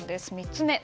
３つ目。